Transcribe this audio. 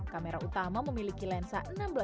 kamera utama memiliki lensa enam belas